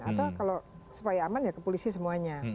atau kalau supaya aman ya ke polisi semuanya